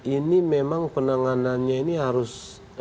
ini memang penanganannya ini harus